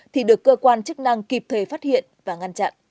thì được cơ quan chức năng kịp thời phát hiện và ngăn chặn